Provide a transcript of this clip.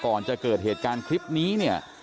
ก่อนจะเกิดเหตุการณ์คลิปนี้เนี่ย